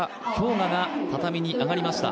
雅が畳に上がりました。